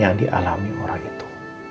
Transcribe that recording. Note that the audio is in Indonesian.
yang dialami orang itu